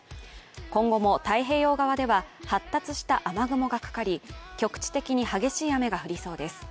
今後も太平洋側では発達した雨雲がかかり、局地的に激しい雨が降りそうです。